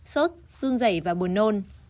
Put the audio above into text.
sốt dung dẩy và bùn nôn